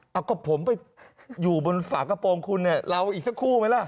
เอาก็ผมไปอยู่บนฝากระโปรงคุณเนี่ยเราอีกสักคู่ไหมล่ะ